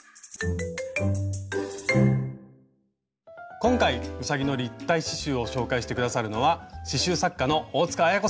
今回うさぎの立体刺しゅうを紹介して下さるのは刺しゅう作家の大あや子さんです。